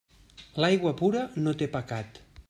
L'aigua pura no té pecat.